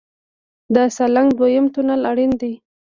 د سالنګ دویم تونل اړین دی